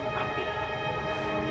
ini aku ambil